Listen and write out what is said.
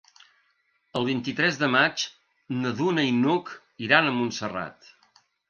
El vint-i-tres de maig na Duna i n'Hug iran a Montserrat.